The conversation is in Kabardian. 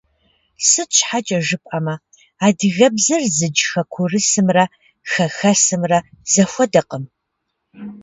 Сыт щхьэкӀэ жыпӀэмэ, адыгэбзэр зыдж хэкурысымрэ хэхэсымрэ зэхуэдэкъым.